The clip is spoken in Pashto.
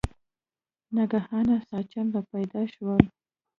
ناګهانه ساسچن را پیدا شول.